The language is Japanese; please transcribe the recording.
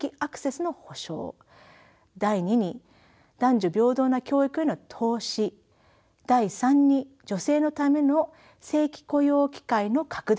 第２に男女平等な教育への投資第３に女性のための正規雇用機会の拡大を進めることです。